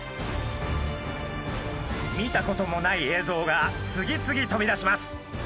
見たこともない映像が次々飛び出します。